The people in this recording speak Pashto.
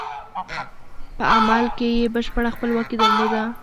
په عمل کې یې بشپړه خپلواکي درلوده.